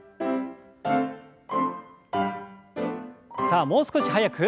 さあもう少し速く。